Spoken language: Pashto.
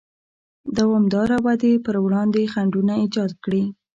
دوامداره ودې پر وړاندې خنډونه ایجاد کړي.